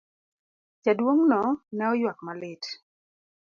Jaduong'no ne oywak malit.